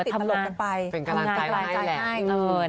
ทำงานเป็นกำลังกายให้